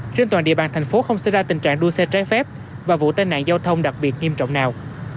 trên toàn địa bàn thành phố không xảy ra tình trạng đua xe trái phép và vụ tai nạn giao thông đặc biệt nghiêm trọng nào